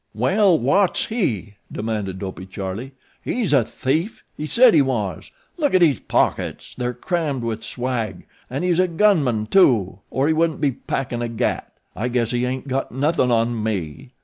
"Well wot's he?" demanded Dopey Charlie. "He's a thief he said he was look in his pockets they're crammed wid swag, an' he's a gun man, too, or he wouldn't be packin' a gat. I guess he ain't got nothin' on me."